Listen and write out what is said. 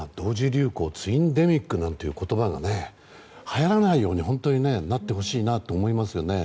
流行ツインデミックなんていう言葉がはやらないようになってほしいなと思いますよね。